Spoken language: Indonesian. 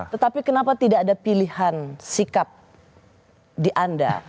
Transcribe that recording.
tetapi kenapa tidak ada pilihan sikap di anda